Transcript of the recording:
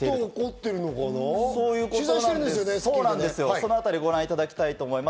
そのあたりをご覧いただきたいと思います。